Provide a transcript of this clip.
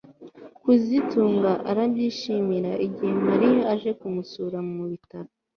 kazitunga arabyishimira igihe Mariya aje kumusura mu bitaro